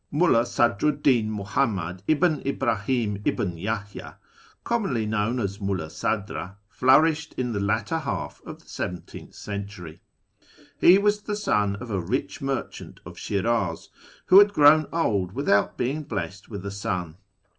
Mulla Sadru 'd Din Muhammad ibn Ibrahim ibn Yahya, commonly known as Mulla Sadra, flourished in the latter half j of the seventeenth century. He was the son of a rich mer chant of Shiraz, who had grown old without being blessed with a son.